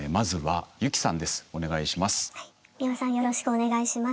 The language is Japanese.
美輪さんよろしくお願いします。